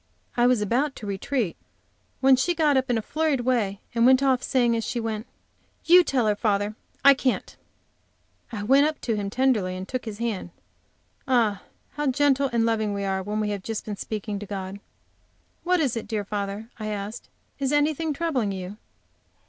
I was about to retreat, when she got up in a flurried way and went off, saying, as she went: "You tell her, father; I can't." I went up to him tenderly and took his hand. Ah, how gentle and loving we are when we have just been speaking to God! "What is it, dear father?" I asked; "is anything troubling you?"